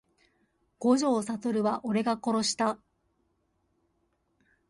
五条悟は俺が殺した…